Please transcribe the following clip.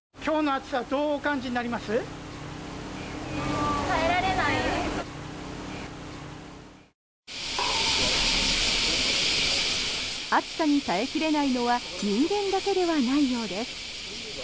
暑さに耐え切れないのは人間だけではないようです。